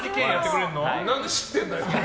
何で知ってんだよ。